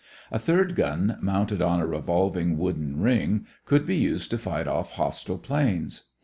A third gun mounted on a revolving wooden ring could be used to fight off hostile planes.